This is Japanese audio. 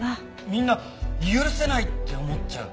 みんな「許せない！」って思っちゃう。